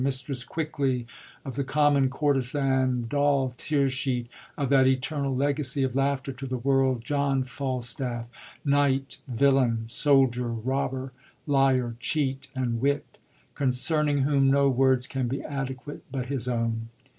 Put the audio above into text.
Mistress Quickly, of the common courtesan, Doll Tearsheet, of that eternal legacy of laughter to the world, John Falstaff, knight, villain, soldier, robber, liar, cheat, and wit, concerning whom no words can be adequate but his own.